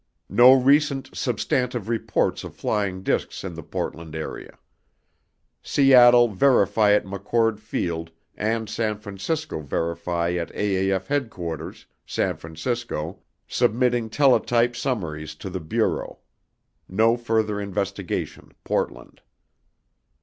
NO RECENT SUBSTANTIVE REPORTS OF FLYING DISCS IN THE PORTLAND AREA. SEATTLE VERIFY AT MCCHORD FIELD AND SAN FRANCISCO VERIFY AT AAF HDQRTS. SF, SUBMITTING TELETYPE SUMMARIES TO THE BUREAU. NO FURTHER INVESTIGATION PORTLAND.